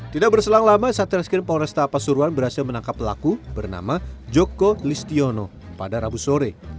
tidak berselang lama satreskrim polresta pasuruan berhasil menangkap pelaku bernama joko listiono pada rabu sore